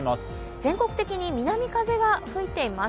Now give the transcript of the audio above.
全国的に南風が吹いています。